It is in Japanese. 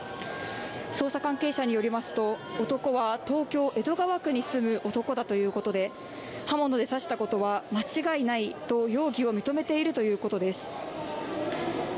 捜査関係者によりますと、男は東京・江戸川区に住む男だということで刃物で刺したことは間違いないと容疑を認めているということです。